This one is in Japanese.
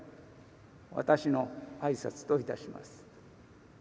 私の挨拶といたします。